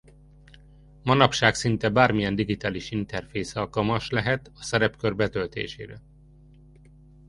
Manapság szinte bármilyen digitális interfész alkalmas lehet a szerepkör betöltésére.